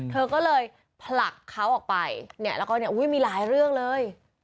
เธอก็เลยผลักเขาออกไปแล้วก็มีหลายเรื่องเลย